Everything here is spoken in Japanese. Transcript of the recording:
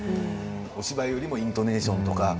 お芝居よりもイントネーションとか？